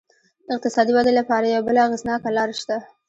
د اقتصادي ودې لپاره یوه بله اغېزناکه لار شته.